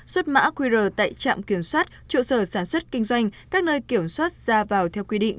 xuất mã qr tại trạm kiểm soát trụ sở sản xuất kinh doanh các nơi kiểm soát ra vào theo quy định